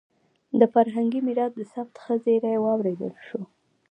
د فرهنګي میراث د ثبت ښه زېری واورېدل شو.